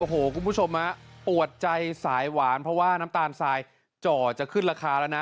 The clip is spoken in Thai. โอ้โหคุณผู้ชมปวดใจสายหวานเพราะว่าน้ำตาลทรายจ่อจะขึ้นราคาแล้วนะ